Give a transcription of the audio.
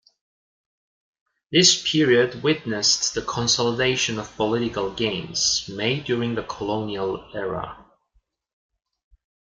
This period witnessed the consolidation of political gains made during the colonial era.